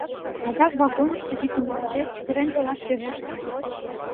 Адак вагонышто, йӱд малыде, чытырен толаш вереште.